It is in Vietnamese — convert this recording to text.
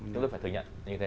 chúng tôi phải thừa nhận như thế